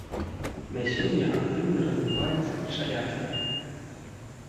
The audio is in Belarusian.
На сёння актыўна развіваецца пчалярства.